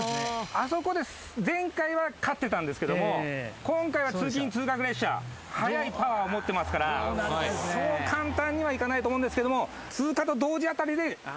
あそこで前回は勝ってたんですけども今回は通勤通学列車速いパワーを持ってますからそう簡単にはいかないと思うんですけども。